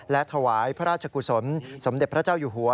และถวายพระราชกุศลสมเด็จพระเจ้าอยู่หัว